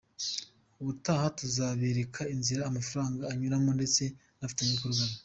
Ubutaha tuzabereka inzira amafaranga anyuramo ndetse n’abafatanyabikorwa be.